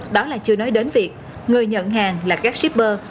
đó là chưa nói đến việc người nhận hàng là các shipper